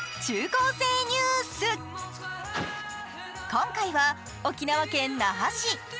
今回は沖縄県那覇市。